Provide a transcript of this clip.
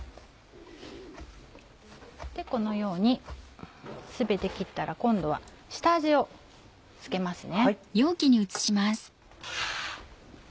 このように全て切ったら今度は下味を付けますね。